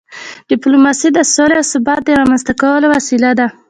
ډیپلوماسي د سولې او ثبات د رامنځته کولو وسیله ده.